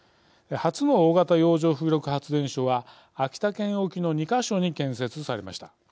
初の大型洋上風力発電所は秋田県沖の２か所に建設されました。